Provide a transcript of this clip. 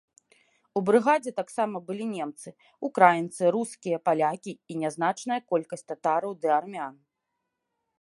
У брыгадзе таксама былі немцы, украінцы, рускія, палякі і нязначная колькасць татараў ды армян.